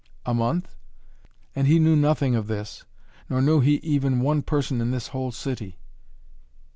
"A month?" "And he knew nothing of this. Nor knew he even one person in this whole city."